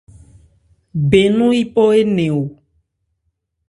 Bɛn nɔn yípɔ énɛn o.